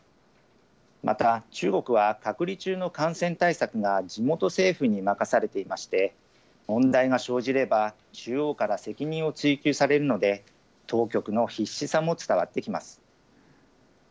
また、中国は隔離中の感染対策が地元政府に任されていまして、問題が生じれば中央から責任を追及されるので、当局の必死さも伝わってきます。